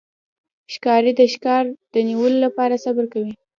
ښکاري د ښکار د نیولو لپاره صبر کوي.